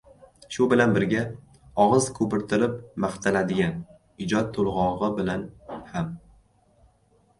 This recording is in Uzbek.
Shu bilan birga, ogʻiz koʻpirtirib maqtaladigan “ijod toʻlgʻogʻi” bilan ham.